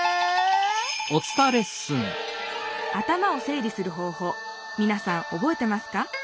頭をせい理する方ほうみなさんおぼえてますか？